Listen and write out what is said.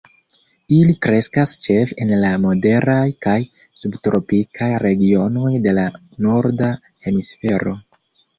Ili kreskas ĉefe en la moderaj kaj subtropikaj regionoj de la norda hemisfero.